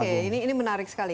oke ini menarik sekali